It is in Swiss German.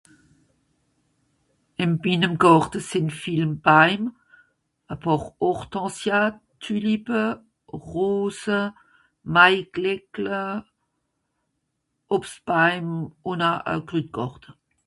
Dans le jardin il y a beaucoup d'arbres des hortensias, des tulipes des roses des muguets, des arbres fruitiers et un potager